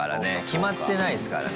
決まってないですからね。